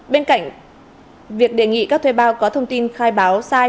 bên cạnh việc đề nghị các thuê bao